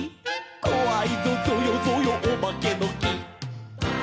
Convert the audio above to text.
「こわいぞぞよぞよおばけのき」